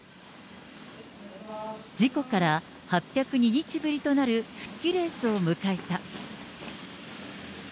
事故から８０２日ぶりとなる復帰レースを迎えた。